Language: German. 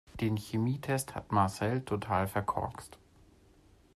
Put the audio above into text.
Den Chemietest hat Marcel total verkorkst.